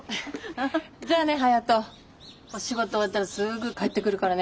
じゃあね颯人お仕事終わったらすぐ帰ってくるからね。